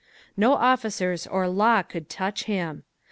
No officers or law could touch him.